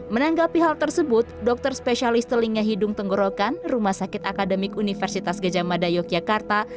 menanggapi hal tersebut dokter spesialis telinga hidung tenggorokan rumah sakit akademik universitas gejamada yogyakarta